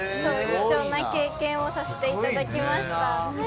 貴重な経験をさせて頂きました。